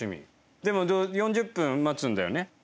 でも４０分待つんだよね？